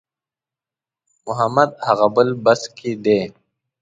محمد هغه بل بس کې دی.